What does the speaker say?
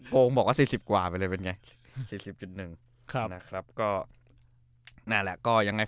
โกงบอกว่า๔๐กว่าไปเลยเป็นไง๔๐๑นะครับก็นั่นแหละก็ยังไง